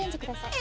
え！